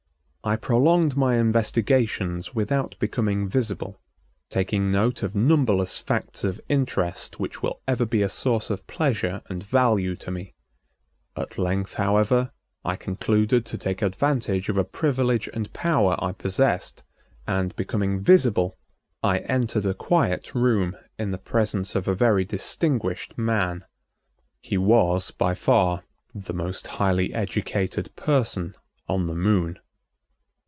I prolonged my investigations without becoming visible, taking note of numberless facts of interest which will ever be a source of pleasure and value to me. At length, however, I concluded to take advantage of a privilege and power I possessed and, becoming visible, I entered a quiet room in the presence of a very distinguished man. He was by far the most highly educated person on the Moon.